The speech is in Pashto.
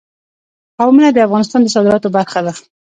قومونه د افغانستان د صادراتو برخه ده.